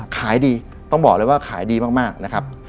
ขายดีต้องบอกเลยว่าขายดีมากนะครับ